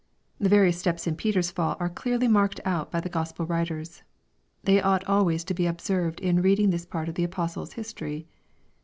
The various steps in Peter's fall are clearly marked out by the Gospel writers. They ought always to he observed in reading this part of the apostle's history.